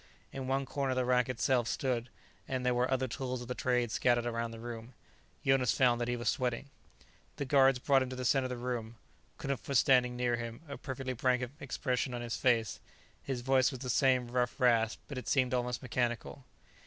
In one corner the rack itself stood, and there were other tools of the trade scattered around the room. Jonas found that he was sweating. The guards brought him to the center of the room. Knupf was standing near him, a perfectly blank expression on his face. His voice was the same rough rasp, but it seemed almost mechanical.